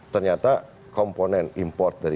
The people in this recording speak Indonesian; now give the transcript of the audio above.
ternyata komponen import dari